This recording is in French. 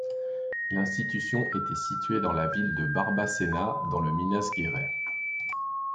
L'institution était située dans la ville de Barbacena, dans le Minas Gerais.